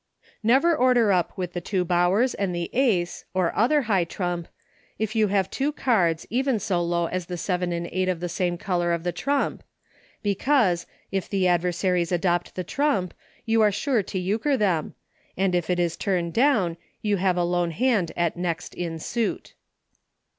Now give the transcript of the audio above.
Never order up with the two Bowers and the Ace, or other high trump, if you have two cards, even so low as the seven and eight of the same color of the trump, because, if the adversaries adopt the trump you are sure to Euchre them, and if it is turned down you have a lone hand at next in suit.